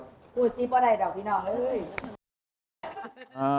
พูดซิป่าวใดดอกพี่น้อง